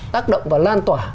tác động và lan tỏa